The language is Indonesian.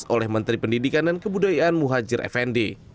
oleh menteri pendidikan dan kebudayaan muhajir effendi